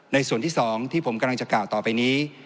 ส่วนที่๒ที่ผมกำลังจะกล่าวต่อไปนี้